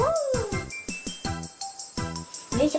よいしょ。